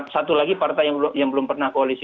satu lagi partai yang belum pernah koalisi